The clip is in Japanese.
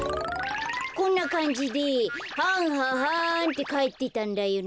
こんなかんじではんははんってかえってたんだよね。